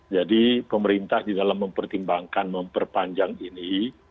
jadi pemerintah di dalam mempertimbangkan memperpanjang ini